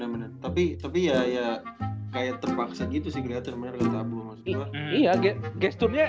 bener bener tapi ya ya kayak terpaksa gitu sih gilir atur bener kata abu maksud gua